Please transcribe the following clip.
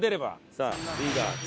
さあリーダー。